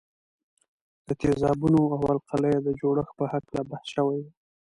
د تیزابونو او القلیو د جوړښت په هکله بحث شوی وو.